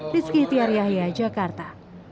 rizky tiaryahia jakarta